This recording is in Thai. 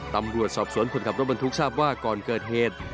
ตำรวจสอบสวนคนขับรถบรรทุกทราบว่าก่อนเกิดเหตุ